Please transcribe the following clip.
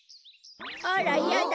あらやだ